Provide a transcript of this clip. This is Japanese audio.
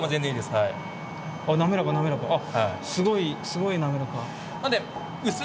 すごいすごい滑らか。